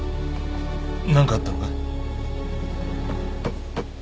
何かあったのか？